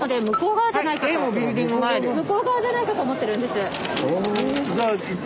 向こう側じゃないかと思ってるんです。